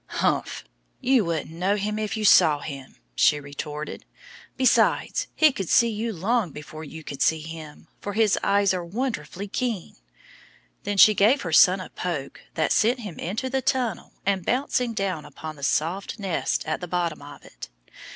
"Humph! You wouldn't know him if you saw him," she retorted. "Besides, he could see you long before you could see him, for his eyes are wonderfully keen." Then she gave her son a poke that sent him into the tunnel and bouncing down upon the soft nest at the bottom of it.